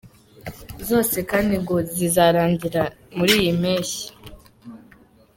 Zose kandi ngo zizarangira muri iyi mpeshyi.